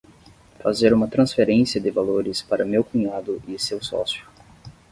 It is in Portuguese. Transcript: Fazer uma transferência de valores para meu cunhado e seu sócio